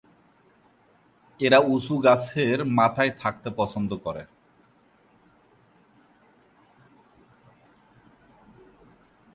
এরা উঁচু গাছের মাথায় থাকতে পছন্দ করে।